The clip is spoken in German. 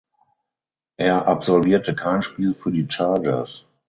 Er absolvierte kein Spiel für die Chargers.